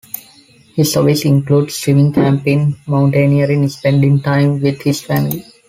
His hobbies include: swimming, camping, mountaineering, spending time with his family.